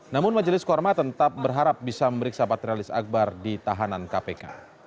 namun majelis korma tetap berharap bisa memeriksa patrialis akbar di tahanan kpk